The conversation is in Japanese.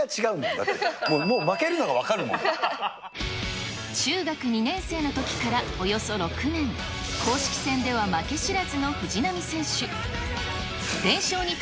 だって、もう負中学２年生のときからおよそ６年、公式戦では負け知らずの藤波選手。